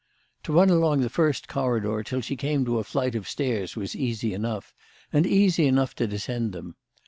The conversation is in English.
To run along the first corridor till she came to a flight of stairs was easy enough, and easy enough to descend them.